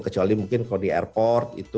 kecuali mungkin kalau di airport itu